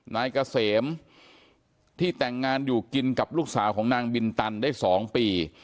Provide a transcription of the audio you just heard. นายเกษมที่แต่งงานอยู่กินกับลูกสาวของนางบินตันได้๒ปี